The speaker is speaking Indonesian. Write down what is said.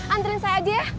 anterin saya aja ya